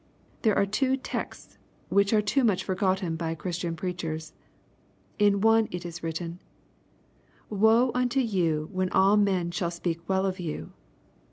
There are two texts which are too much foi^otten by Christian preachers. In one it is written, " Woe unto you when all men shall speak well of you.